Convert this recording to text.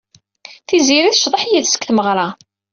Tiziri tecḍeḥ yid-s deg tmeɣra.